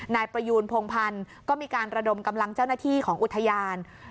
นายประยูนพงพันธ์ก็มีการระดมกำลังเจ้าหน้าที่ของอุทยาน